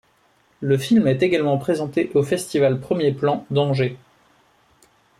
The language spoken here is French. Le film est également présenté au Festival Premiers Plans d'Angers.